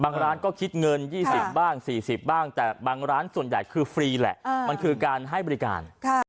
ร้านก็คิดเงิน๒๐บ้าง๔๐บ้างแต่บางร้านส่วนใหญ่คือฟรีแหละมันคือการให้บริการ